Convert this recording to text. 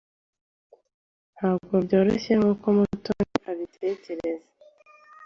Ntabwo byoroshye nkuko Mutoni abitekereza.